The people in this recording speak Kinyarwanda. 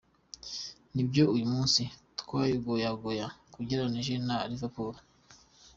Ni vyo uyu musi twagoyagoya ugereranije na Liverpool.